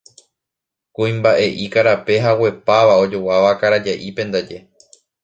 Kuimba'e'i karape, haguepáva, ojoguáva karaja'ípe ndaje.